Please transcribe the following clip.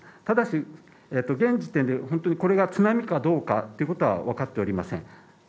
ただし現時点で本当にこれが津波かどうかということはわかっておりません。